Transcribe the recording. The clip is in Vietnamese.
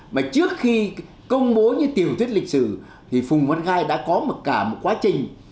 mà trước khi công bố như tiểu thuyết lịch sử thì phùng văn khai đã có cả một quá trình